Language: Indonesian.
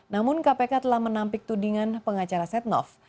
namun kpk telah menampik tudingan pengacara setnov